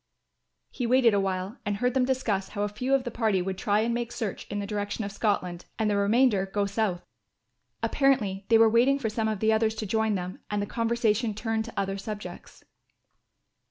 He waited awhile and heard them discuss how a few of the party would try and make search in the direction of Scotland and the remainder go south. Apparently they were waiting for some of the others to join them and the conversation turned to other subjects.